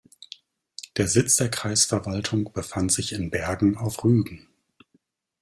Der Sitz der Kreisverwaltung befand sich in Bergen auf Rügen.